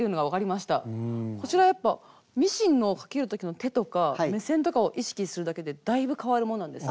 こちらやっぱミシンのかけるときの手とか目線とかを意識するだけでだいぶかわるものなんですね。